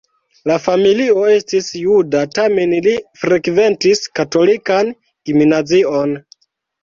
La familio estis juda, tamen li frekventis katolikan gimnazion.